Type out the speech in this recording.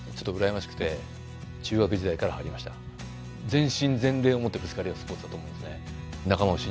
全身全霊をもって、ぶつかり合うスポーツだと思うんですよね。